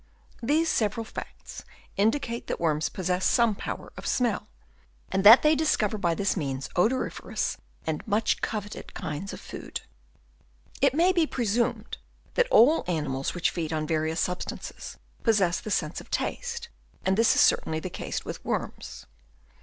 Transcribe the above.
These several facts indicate that worms possess some power of smell ; and that they discover by this means odoriferous and much coveted kinds of food. It may be presumed that all animals which feed on various substances possess the sense of taste, and this is certainly the case with worms.